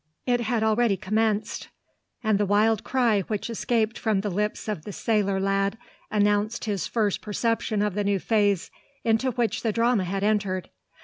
It had already commenced; and the wild cry which escaped from the lips of the sailor lad announced his first perception of the new phase into which the drama had entered.